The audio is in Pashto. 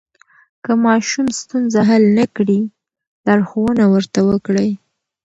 که ماشوم ستونزه حل نه کړي، لارښوونه ورته وکړئ.